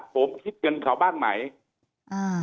ผมคิดเงินเขาบ้างไหมอื้อ